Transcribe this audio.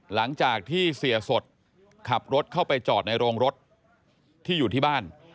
หลังจากที่เสียสดขับรถเข้าไปจอดในโรงรถที่อยู่ที่บ้าน